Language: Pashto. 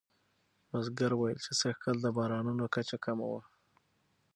بزګر وویل چې سږکال د بارانونو کچه کمه وه.